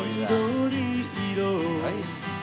大好き。